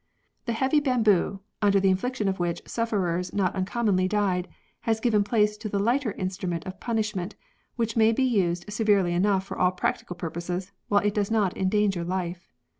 The heavy bamboo, under the infliction of which sufferers not uncommonly died, has given place to the lighter instrument of punishment, which may be used severely enough for all practical purposes while it does not endanger life.